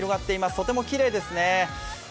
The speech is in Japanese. とてもきれいですね。